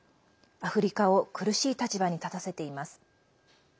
アフリカを苦しい立場に立たせています。